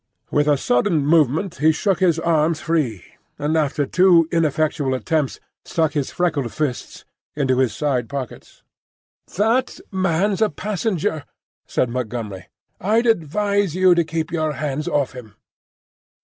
With a sudden movement he shook his arms free, and after two ineffectual attempts stuck his freckled fists into his side pockets. "That man's a passenger," said Montgomery. "I'd advise you to keep your hands off him."